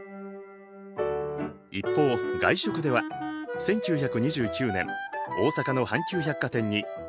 一方外食では１９２９年大阪の阪急百貨店に大食堂がオープン。